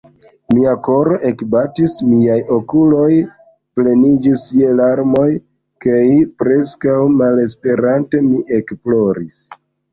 Mia koro ekbatis, miaj okuloj pleniĝis je larmoj kaj preskaŭ malesperante, mi ekploris.